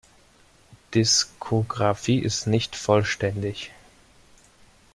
Diskografie ist nicht vollständig.